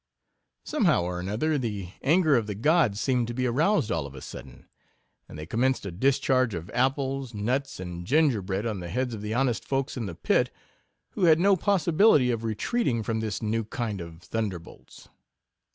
Somehow or another, the anger of the gods seemed to 17 be aroused all of a sudden, and they com menced a discharge of apples, nuts, and gin gerbread, on the heads of the honest folks in the pit, who had no possibility of retreating from this new kind of thunderbolts.